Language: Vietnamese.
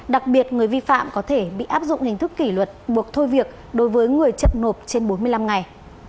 đặc biệt người vi phạm có thể bị áp dụng hình thức kỷ luật buộc thôi việc đối với người chậm nộp trên bốn mươi năm ngày